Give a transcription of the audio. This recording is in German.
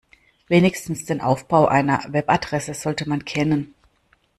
Wenigstens den Aufbau einer Webadresse sollte man kennen.